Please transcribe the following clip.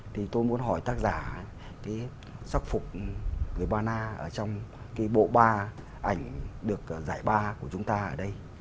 thì tôi muốn hỏi tác giả cái sắc phục người ba na ở trong cái bộ ba ảnh được giải ba của chúng ta ở đây